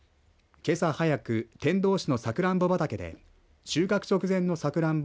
けさ早く天童市のさくらんぼ畑で収穫直前のさくらんぼ